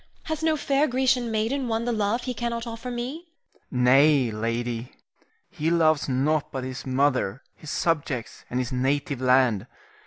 Has no fair Grecian maiden won the love he cannot offer me? Rienzi. Nay, lady. He loves nought but his mother, his subjects, and his native land.